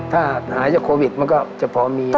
ถ้าหายจากโควิดมันก็จะพอมี